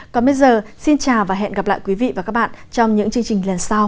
còn bây giờ xin chào và hẹn gặp lại quý vị và các bạn trong những chương trình lần sau